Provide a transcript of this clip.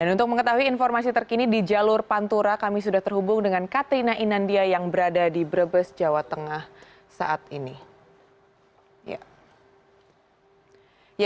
dan untuk mengetahui informasi terkini di jalur pantura kami sudah terhubung dengan katrina inandia yang berada di brebes jawa tengah saat ini